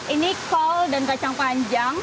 ini kol dan kacang panjang